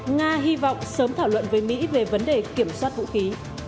nga hy vọng sớm thảo luận với mỹ về vấn đề kiểm soát vũ khí